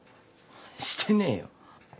してねえよ。